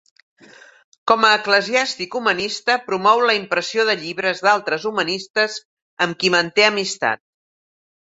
Com a eclesiàstic humanista, promou la impressió de llibres d'altres humanistes amb qui manté amistat.